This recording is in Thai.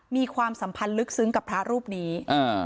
ความสัมพันธ์ลึกซึ้งกับพระรูปนี้อ่า